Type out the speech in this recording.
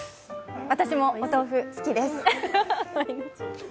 私もお豆腐好きです。